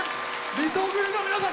リトグリの皆さん！